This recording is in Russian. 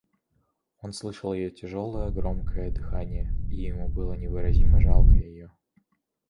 Он слышал ее тяжелое, громкое дыхание, и ему было невыразимо жалко ее.